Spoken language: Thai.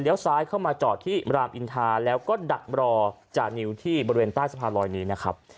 เดี๋ยวซ้ายเข้ามาจอดที่รามอินทาแล้วก็ดักรอจานิวที่บริเวณใต้สะพานลอยนี้นะครับ